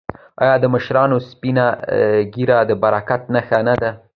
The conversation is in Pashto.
آیا د مشرانو سپینه ږیره د برکت نښه نه ده؟